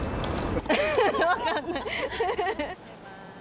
分かんない。